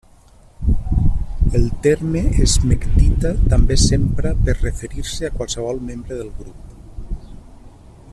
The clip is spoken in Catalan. El terme esmectita també s'empra per referir-se a qualsevol membre del grup.